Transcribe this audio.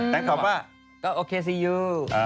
ตั้งครอบว่าก็โอเคสิยู